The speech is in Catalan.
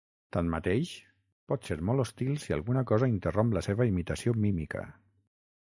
Tanmateix, pot ser molt hostil si alguna cosa interromp la seva imitació mímica.